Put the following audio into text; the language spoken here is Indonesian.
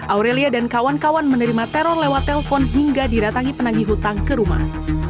aurelia dan kawan kawan menerima teror lewat telpon hingga didatangi penagih hutang ke rumah